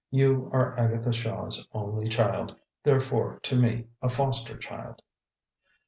You are Agatha Shaw's only child, therefore to me a foster child.